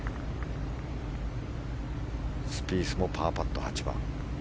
スピースもパーパット８番。